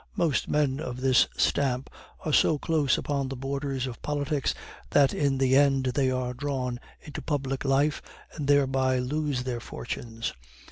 Most men of this stamp are so close upon the borders of politics, that in the end they are drawn into public life, and thereby lose their fortunes.